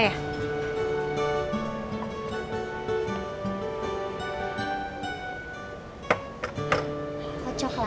dilanjutkan aku pasang kepungnya